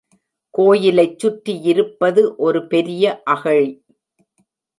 கோயிலைச் சுற்றியிருப்பது ஒரு பெரிய அகழி.